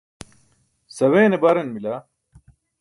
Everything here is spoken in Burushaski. Saweene baran bila.